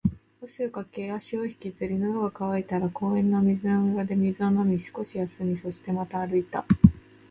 汗をかき、足を引きずり、喉が渇いたら公園の水飲み場で水を飲み、少し休み、そしてまた歩いた